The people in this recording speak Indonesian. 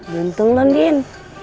guntung lu din